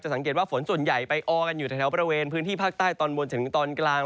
สังเกตว่าฝนส่วนใหญ่ไปออกันอยู่แถวบริเวณพื้นที่ภาคใต้ตอนบนถึงตอนกลาง